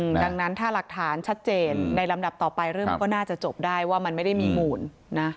ดังนั้นถ้าหลักฐานชัดเจนในลำดับต่อไปเรื่องมันก็น่าจะจบได้ว่ามันไม่ได้มีมูลนะ